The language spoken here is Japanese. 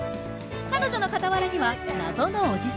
彼女の傍らには謎のおじさん。